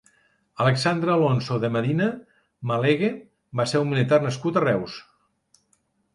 Alexandre Alonso de Medina Malegue va ser un militar nascut a Reus.